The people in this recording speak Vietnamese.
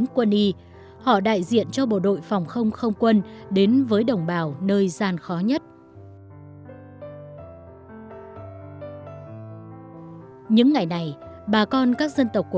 chủ cán bộ y bác sĩ viện y học phòng không không quân đã vượt núi băng ngàn ngược dòng sông mường lát tỉnh thanh hóa